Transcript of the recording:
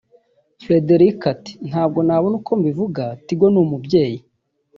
Frederick ati “ Ntabwo nabona uko mbivuga Tigo ni umubyeyi